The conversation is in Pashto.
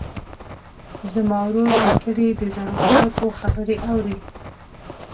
زما ورور د کلي د زړو خلکو خبرې اوري.